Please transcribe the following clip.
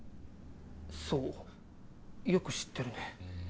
そうよく知ってるね。